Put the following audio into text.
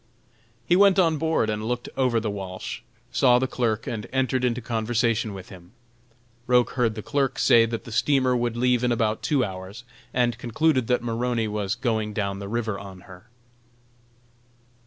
He went on board and looked over the Walsh, saw the clerk and entered into conversation with him. Roch heard the clerk say that the steamer would leave in about two hours, and concluded that Maroney was going down the river on her.